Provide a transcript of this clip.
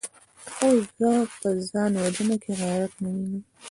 خو زه په ځان وژنه کې غيرت نه وينم!